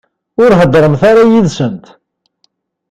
Ur heddṛemt ara yid-sent.